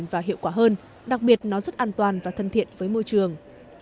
và hiệu quả hơn đặc biệt nó rất an toàn và thân thiện với môi trường